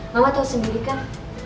mama tau sendiri kan